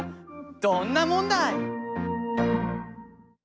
どんなもんだい！